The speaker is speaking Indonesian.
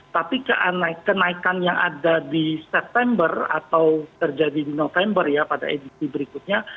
tapi kenaikan yang ada di september atau terjadi di november ya pada edisi berikutnya